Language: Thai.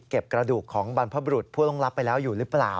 กระดูกของบรรพบรุษผู้ล่วงลับไปแล้วอยู่หรือเปล่า